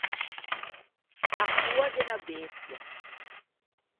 A coa de unna bestia.